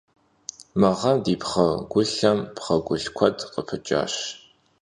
Mı ğem di pxhegulhêym pxhegulh kued khıpıç'aş.